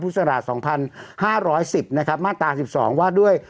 พุทธศาลาส๒๕๑๐นะครับมาตรา๑๒ว่าด้วย